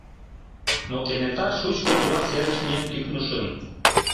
но кенета шучко тура серыш миен тӱкнышым.